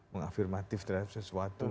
mengafirmatif terhadap sesuatu